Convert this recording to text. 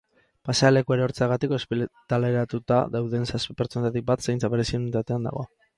Pasealekua erortzeagatik ospitaleratuta dauden zazpi pertsonetatik bat zaintza berezien unitatean dago.